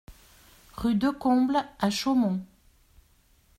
Rue Decomble à Chaumont